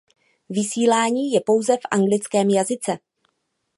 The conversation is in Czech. Vysílání je pouze v anglickém jazyce.